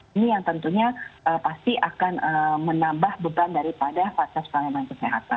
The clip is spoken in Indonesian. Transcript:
ini yang tentunya pasti akan menambah beban daripada fase spalming